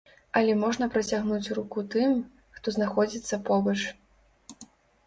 Але можна працягнуць руку тым, хто знаходзіцца побач.